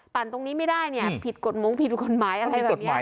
ตรงนี้ไม่ได้เนี่ยผิดกฎมงผิดกฎหมายอะไรแบบนี้